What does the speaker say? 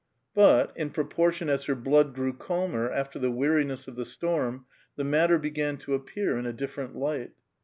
But, in proportion as her blood grew cahnor, iiftor the weariness of the storm, the matter began to a[)i)ear in a ditlerent light.